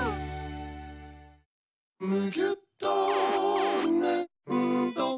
「むぎゅっとねんど」